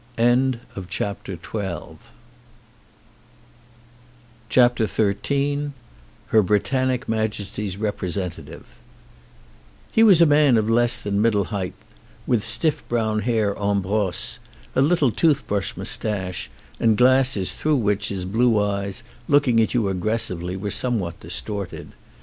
56 XIII HER BRITANNIC MAJESTY'S REPRESENTATIVE HE was a man of less than middle height, with stiff brown hair en brosse, a little toothbrush moustache, and glasses through which his blue eyes, looking at you aggressively, were somewhat distorted.